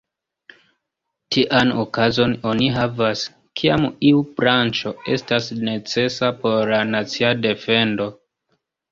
Tian okazon oni havas, kiam iu branĉo estas necesa por la nacia defendo.